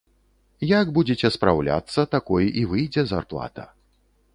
Як будзеце спраўляцца, такой і выйдзе зарплата.